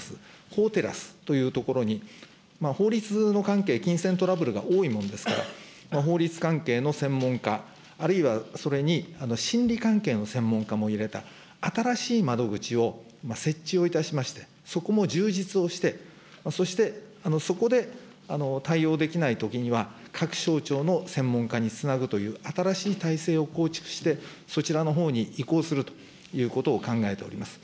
法テラスという所に、法律の関係、金銭トラブルが多いもんですから、法律関係の専門家、あるいはそれに心理関係の専門家も入れた新しい窓口を設置をいたしまして、そこも充実をして、そして、そこで対応できないときには、各省庁の専門家につなぐという新しい体制を構築して、そちらのほうに移行するということを考えております。